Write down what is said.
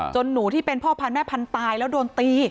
หนูที่เป็นพ่อพันธแม่พันธุ์ตายแล้วโดนตี